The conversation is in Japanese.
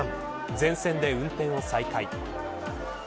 全線で運転を再開。